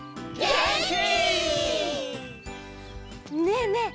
ねえねえ